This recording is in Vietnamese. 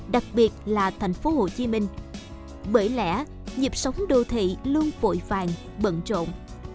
đặc biệt là tp hcm bởi lẽ dịp sống đô thị luôn vội vàng bận trộn